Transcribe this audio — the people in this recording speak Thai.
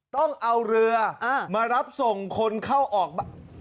ต้องเอาเรือมารับส่งคนเข้าออก